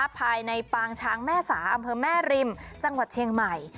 ภายในปางช้างแม่สาอำเภอแม่ริมจังหวัดเชียงใหม่